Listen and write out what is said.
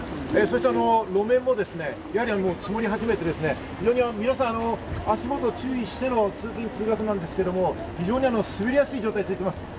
路面も積もり始めて、皆さん、足元を注意しての通勤・通学なんですけど、非常に滑りやすい状態が続いています。